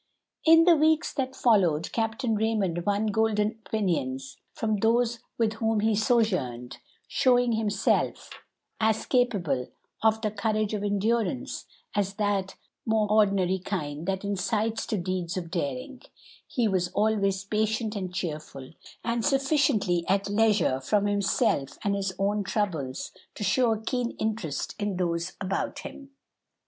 In the weeks that followed Captain Raymond won golden opinions from those with whom he sojourned, showing himself as capable of the courage of endurance as of that more ordinary kind that incites to deeds of daring; he was always patient and cheerful, and sufficiently at leisure from himself and his own troubles to show a keen interest in those about him.